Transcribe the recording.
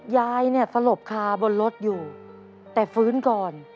ยายเนี่ยสลบคาบนรถอยู่แต่ฟื้นก่อน